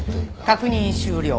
確認終了。